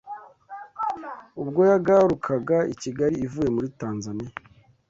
ubwo yagarukaga i Kigali ivuye muri Tanzania